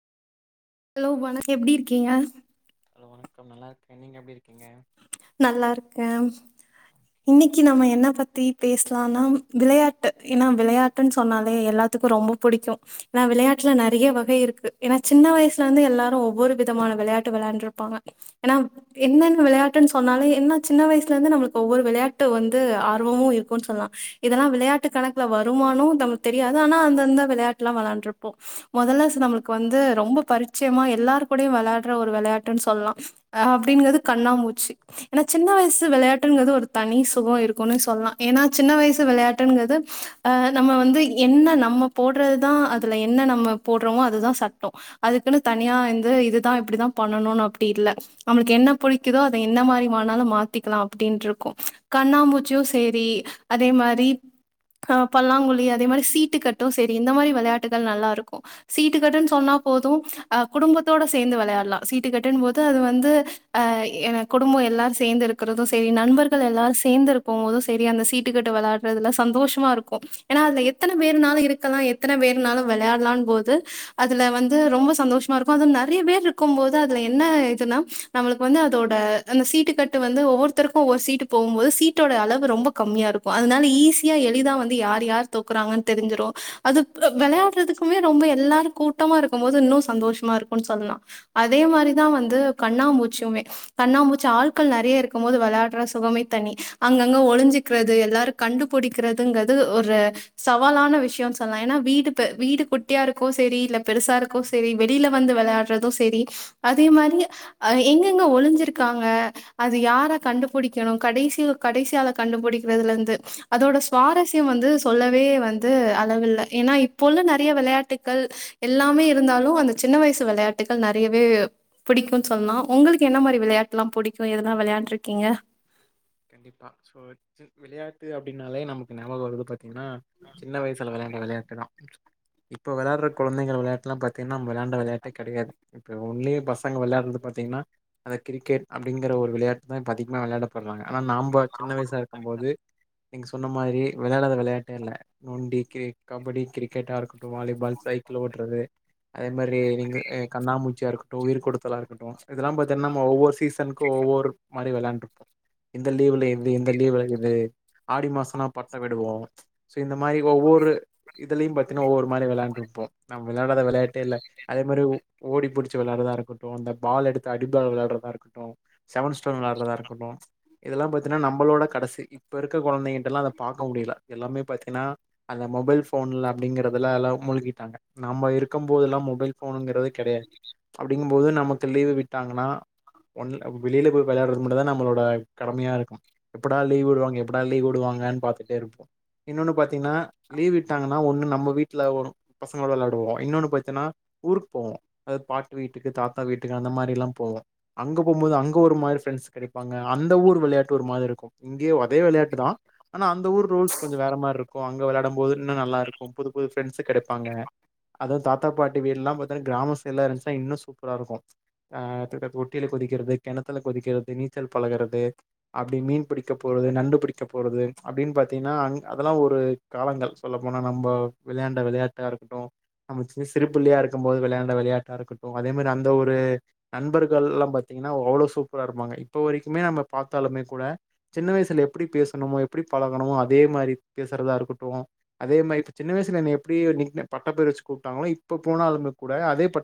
Hello வண எப்டி இருக்கீங்க ஹலோ வணக்கம் நல்லா இருக்கே நீங்க எப்டி இருக்கீங்க நல்லா இருக்க ஓகே. இன்னக்கி நம்ம என்ன பத் தி பேசலான்னா விளையாட்டு ஏன்னா விளையாட்டுன் சொன்னாலே எல்லாத்துக்கு ரொம்பொ புடிக்கு ஏன்னா விளையாட்ல நறைய வகை இருக்கு ஏன்னா சின்ன வயசுலருந்தே எல்லாரு ஒவ்வொரு விதமான விளையாட்டு விளையாண்ட்ருப்பாங்க ஏன்னா என்னென்ன விளையா ட்டுன் சொன்னாலே என்ன சின்ன வயசுலருந்து நம்ளுக் ஒவ்வொரு விளையாட்டு வந்து ஆர்வமு இருக்குன் சொல்லா இதெல்லா விளையாட்டு கணக்ல வருமானு நமக்கு தெரியாது ஆனா அந்தந்த விளையாட்டுல்லா வெளாண்ட்ருப்போ மொதல்ல நம்மளுக்கு வந்து ரொம்ப பரிச்சயமா எல்லார் கூடையு வெளாட்ற ஒரு விளையாட்டுன்ன சொல்லா அ அப்டிங்குறது கண்ணாமூ யாட்டுங்குறது ஒரு தனி சுகொ இருக்குனு சொல்லா ஏன்னா சின்ன வயசு வெளையாட்டுங்குறது ஆ நம்ம வந்து என்ன நம்ம போட்றதுதா அதுல என்ன நம்ம போட்றோமோ அதுதா சட்டொ அதுக்குனு தனியா வந்து இதுதா இப்டிதா பண்ணணுன் அப்டி இல்ல நம்மளுக் என்ன புடிக்கிதோ அ என்னா மாரிமானாலு மாத்திக்கலா அப்டின்ட்ருக்கு கண்ணாம்மூச்சூ சேரி அதே மாரி ஆ பல்லாங்குழி அதே மாரி சீட்டுக்கட்டு சேரி இந்த மாரி வெளையாட்டுகள் நல்லா இருக்கு சீட்டுக்கட்டுன் சொன்னா போது அ குடும்பத்தோட சேந்து வெளையாட்லா சீட்டுக்கட்டுன் போது அது வந்து ஆ என குடும்பொ எல்லா சேந்து இருக்குறது சேரி நண்பர்கள் எல்லாரு சேந்து இருக்கொமோது சேரி அந்த சீட்டுக்கட்ட வெளாட்றதுல சந்தோஷமா இருக்கு ஏன்னா அதுல எத்தன பேருனாலு இருக்கலா எத்தன வேணுனாலு வெளையாட்லான் போது அதுல வந்து ரொம்ப சந்தோஷமா இருக்கு அதுவு நறைய பேர் இருக்கும் போது அதுல என்ன இதுன்னா நம்மளுக் வந்து அதோட அந்த சீட்டு கட்டு வந்து ஒவ்வொருத்தருக்கு ஒவ்வொரு சீட்டு போவும் போது சீட்டோட அளவு ரொம்ப கம்மியா இருக்கு அதனால ஈஸியா எளிதா வந்து யாரு யார் தோக்குறாங்கன் தெரிஞ்சிரு அது ம் வெளையாட்றதுக்குமே ரொம்ப எல்லாரு கூட்டமா இருக்கும் போது இன்னு சந்தோஷ்மா இருக்குன் சொல்லலா அதே மாரி தா வந்து கண்ணாமூச்சியுமே கண்ணாமூ ச்சி ஆள்கள் நெறைய இருக்குமோது வெளயாட்ற சுகமே தனி அங்கங்க ஒளிஞ்சிக்றது எல்லாரு கண்டுபுடிக்கிறதுங்கற்து ஒரு சவாலான விஷ்யோன் சொல்லா ஏன்னா வீடு பெ வீடு குட்டியா இருக்கோ செரி இல்ல பெருசா இருக்கோ ம் செரி வெளில வந்து வெளயா ட்றது செரி அதே ம் மாரி அ எ ங்க ஒளிஞ்சிருக் சிருக்காங்க அது யார கண்டுபுடிக்கணு கடைசி கடைசி ஆள கண்டுபிடிக்கிறதுல இந்து அதோட சுவாரஸ்யம் வந்து சொல்லவே வந்து அளவில்ல ஏன்னா இப்போ உள்ள நெறைய வெளையாட்டுக்கள் எல்லாமே இருந்தாலு அந்த சின்ன வய்சு வெளையாட்டுக்கள் நெறயவே பிடிக்கு சொல்லா உங்களுக்கு என்ன மாரி விளையாட் டுலா புடிக்கு எதனா வெளாய்ண்டுருக்கீங்க கண்டிப்பா சோ [unintelligible] விளையாட்டு அப்டினாலே நமக்கு ஞாபகோ வருது பா த்தீங்ன்னா சின்ன வயசுல வெளா ளயாட்டு தா இப்ப வெளாட்ற குழந்தைகள் விளயாட்லா பாத்தீனா நம்ப் விளாய்ன்ட விளயாட்டே கெடயாது இப்ப ஒன்லியே பசங்க விளாட்றுது பாத்திங்னா அது கிரிக்கெட் அப்டிங்குற ஒரு விளையாட் தா இப்ப அதிக்மா விளாடப்பட் ஆனா நம்ப சின்ன வய்சா இருக்கும் போது நீங்க சொன்ன மாரி விளயடாத விளையாட்டே இல்ல நொண்டி கிர கபடி கிரிக் கெட்டா இருக்கட்டு வாலிபால் சைக்கிள் ஓட்றது அதே மாதிரி நீங்க எ கண்ணாமூச்சா இருக்கட் ட்ரு உயிர் கொடுத்தலா இருக்கட்டு ச்ச் இதல்லா பாத்தீன்னா நம்ம ஒவ்வொர் சீசனுக்கு ஒவ்வொரு மாரி வெளையாண்டுருப்போ இந்த லீவுலேந்து இந்த லீவுல இருந்து ஆடி மாசனா பட்டோ விடுவோ ச்ச் சோ இந்த மாரி ஒவ்வொரு இதுலயு பாத்தீன்னா ஒவ்வொரு மாரி விளயாண்டுருப்போ விளடாத விளையாட்டே இல்ல அதே மாரி ஓ-ஓடி பிடிச்சு வெளாட்றதா இருக்கட்டு இந்த பால் எடுத்து அடிபால் விளயாட்றதா இருக்கட்டு செவன் ஸ்டோன் விளாட்றதா இருக்கட்டு ச்ச் இதெல்லா பாத்தீனா நம்பளோட கடசி இப்ப இருக்க கொழந்தைகிட்ட ல்லா அத பாக்க முடில எல்லாமே பாத்தீனா அந்த மொபைல் ஃபோன்ல அப்படிங்கறற்துல எல்லா மூழ்கிடாங்க நம்ம இருக்கும் போது ல்லா மொபைல் ஃபோனுங்கிறது கெடையாது அப்டிங்கும் போது நமக்கு லீவு விட்டாங்கன்னா ஒன் வெளியில போய் விளயாட்றது மட்டு தா நம்பளோட கடமையா இருக்கு எப்படா லீவ் வுடுவாங்க எப்படா லீவ் வுடுவாங்கன்னு பாத்துட்டே இருப்போ இன்னொன்னு பாத்தீனா லீவ் விட்டாங்கன்னா ஒன்னு நம்ம வீட்ல [unintelligible] பசங்களா வெளாடுவோ இன்னொன்னு பாத்தீனா ஊருக்கு போவோ அதாத் பாட்டு வீட்டுக்கு தாத்தா வீட்டுக்கு அந்த மாரி ல்லா போவோ அங்க போம்போது அங்க ஒரு மாரி ஃப்ரெண்ஸ் கெடைப்பாங்க அந்த ஊர் விளையாட்டு ஒரு மாதிருக்கு இங்கேயு அதே விளையாட்டு தா ஆனா அந்த ஊர் ரூல்ஸ் கொஞ்சோ வேற மார்ருக்கு அங்க வெளயாடும் போது இன்னு நல்லாருக்கும் புது புது ஃபிரெண்ட்ஸு கெடைப்பாங்க அதாவ்த் தாத் தாத்தா பாட்டி வீடெல்லா பாத்தின்னா கிராம சைடெல்லா இருந்துச்னா இன்னு சூப்பரா இருக்கு தொட்டியில குதிக்கறது கெணத்துல குதிக்கறது நீச்சல் பழகுறது அப்பிடி மீன் பிடிக்க போறது நண்டு பிடிக்க போறது அப்படின்னு பாத்தின்னா அன் அதெல்லா ஒரு காலங்கள் சொல்ல போனா நம்ம விளையாண்ட விளையாட்டா இருக்கட்டு நம்ம சி சிறுபிள்ளையா இருக்கும் போது விளையாண்ட விளையாட்டா இருக்கட்டு அதே மாதிரி அந்த ஒரு நண்பர்கள் எல்லா பாத்தீங்கன்னா அவ்வளோ சூப்பரா இருப்பாங்க இப்ப வரைக்குமே நம்ம பாத்தாலுமே கூட சின்ன வயசுல எப்படி பேசணுமோ எப்பிடி பழகுனமோ அதே மாரி பேசறதா இருக்கட்டு அதே மாரி இப்ப சின்ன வயசுல என்ன எப்பிடி நிக்நே பட்டப்பேர் வச்சு கூப்ட்டாங்களோ இப்போ போனாலுமே கூட அதே பட்